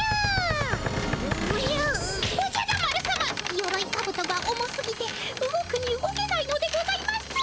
ヨロイカブトが重すぎて動くに動けないのでございます。